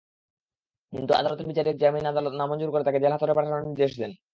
কিন্তু আদালতের বিচারক জামিন নামঞ্জুর করে তাঁকে জেলহাজতে পাঠানোর আদেশ দেন।